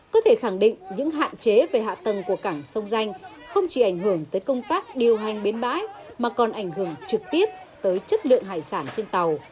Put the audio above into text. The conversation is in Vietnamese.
có thể khẳng định những hạn chế về hạ tầng của cảng sông danh không chỉ ảnh hưởng tới công tác điều hành bến bãi mà còn ảnh hưởng trực tiếp tới chất lượng hải sản trên tàu